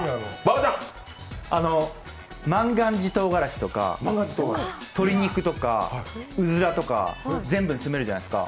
万願寺とうがらしとか、鶏肉とか、うずらとか全部詰めるじゃないですか。